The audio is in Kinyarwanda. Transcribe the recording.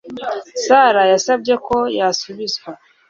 Sara yasabye ko yasubizwa.